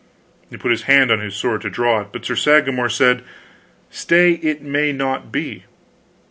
He put his hand on his sword to draw it, but Sir Sagramor said: "Stay, it may not be.